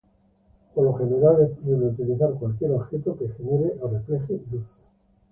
Por lo general, es posible utilizar cualquier objeto que genere o refleje luz.